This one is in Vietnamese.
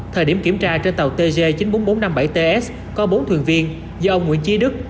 thời điểm kiểm tra trên tàu tg chín mươi bốn nghìn bốn trăm năm mươi bảy ts có bốn thuyền viên do ông nguyễn trí đức